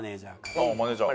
あっマネジャー。